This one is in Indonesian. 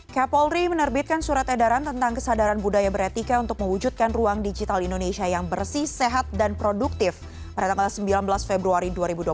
kapolri menerbitkan surat edaran tentang kesadaran budaya beretika untuk mewujudkan ruang digital indonesia yang bersih sehat dan produktif pada tanggal sembilan belas februari dua ribu dua puluh satu